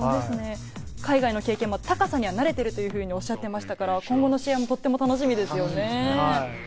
海外の経験で高さには慣れているというふうにおっしゃっていましたから、今後の試合も楽しみですよね。